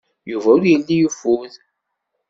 Yuba ur yelli yeffud.